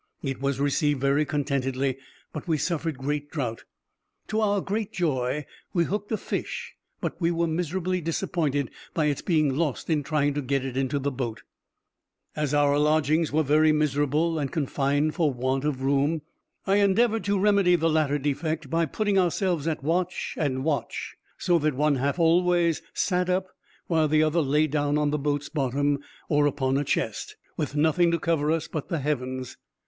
It was received very contentedly, but we suffered great drought. To our great joy we hooked a fish, but we were miserably disappointed by its being lost in trying to get it into the boat. As our lodgings were very miserable, and confined for want of room, I endeavored to remedy the latter defect by putting ourselves at watch and watch; so that one half always sat up while the other lay down on the boat's bottom, or upon a chest, with nothing to cover us but the heavens.